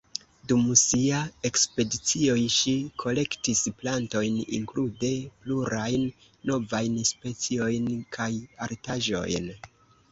Dum sia ekspedicioj ŝi kolektis plantojn, inklude plurajn novajn speciojn, kaj artaĵojn.